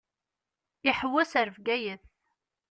Iḥewwes ar Bgayet.